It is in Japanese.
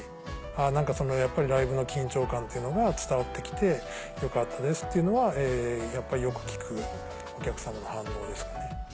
何かやっぱり「ライブの緊張感というのが伝わって来てよかったです」っていうのはやっぱりよく聞くお客様の反応ですかね。